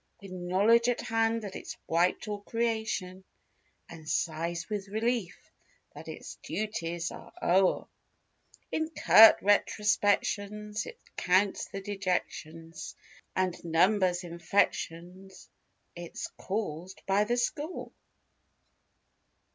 With knowledge at hand that it's wiped all creation And sighs with relief that its duties are o'er. In curt retrospections it counts the dejections And numbers infections it's caused by the score.